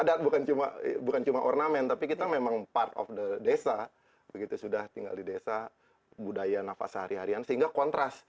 adat bukan cuma ornamen tapi kita memang part of the desa begitu sudah tinggal di desa budaya nafas sehari harian sehingga kontras